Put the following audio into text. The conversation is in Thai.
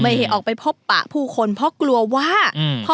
ให้ออกไปพบปะผู้คนเพราะกลัวว่าอืม